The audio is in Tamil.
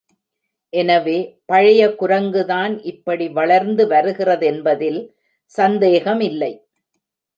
எனவே பழைய குரங்குதான் இப்படி வளர்ந்து வருகிறதென்பதில் சந்தேகமில்லை.